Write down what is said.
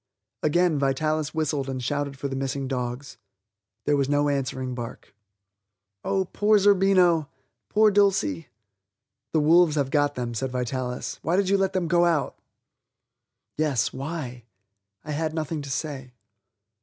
Again Vitalis whistled and shouted for the missing dogs. There was no answering bark. Oh, poor Zerbino; poor Dulcie! "The wolves have got them," said Vitalis; "why did you let them go out?" Yes? why? I had nothing to say.